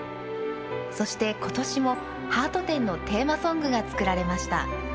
そしてことしも「ハート展」のテーマソングがつくられました。